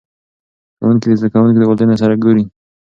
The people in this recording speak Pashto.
ښوونکي د زده کوونکو د والدینو سره ګوري.